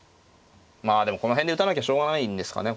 まあでもこの辺で打たなきゃしょうがないんですかね。